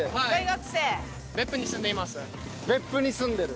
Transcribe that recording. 別府に住んでる。